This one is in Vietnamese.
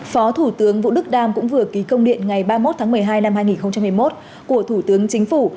phó thủ tướng vũ đức đam cũng vừa ký công điện ngày ba mươi một tháng một mươi hai năm hai nghìn hai mươi một của thủ tướng chính phủ